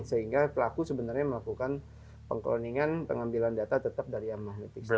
sehingga pelaku sebenarnya melakukan pengkloningan pengambilan data tetap dari magnetic stripe